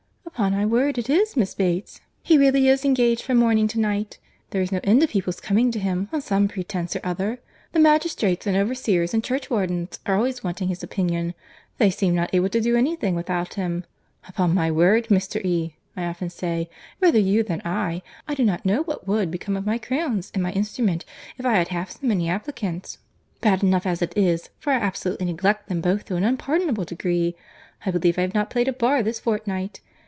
"Upon my word it is, Miss Bates.—He really is engaged from morning to night.—There is no end of people's coming to him, on some pretence or other.—The magistrates, and overseers, and churchwardens, are always wanting his opinion. They seem not able to do any thing without him.—'Upon my word, Mr. E.,' I often say, 'rather you than I.—I do not know what would become of my crayons and my instrument, if I had half so many applicants.'—Bad enough as it is, for I absolutely neglect them both to an unpardonable degree.—I believe I have not played a bar this fortnight.